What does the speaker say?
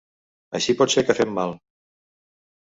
Així pot ser que fem mal.